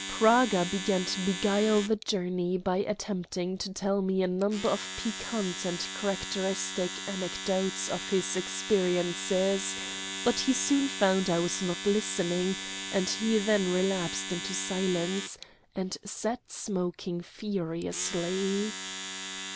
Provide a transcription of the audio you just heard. Praga began to beguile the journey by attempting to tell me a number of piquant and characteristic anecdotes of his experiences; but he soon found I was not listening, and he then relapsed into silence, and sat smoking furiously.